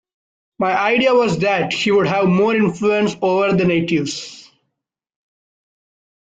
My idea was that he would have more influence over the natives.